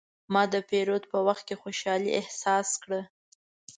ما د پیرود په وخت خوشحالي احساس کړه.